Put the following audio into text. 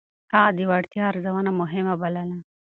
هغه د وړتيا ارزونه مهمه بلله.